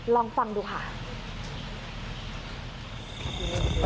ลองฟังดูค่ะ